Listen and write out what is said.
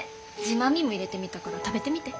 ジーマミーも入れてみたから食べてみて。